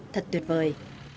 thật tuyệt vời